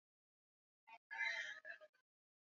Mchoro ni mzuri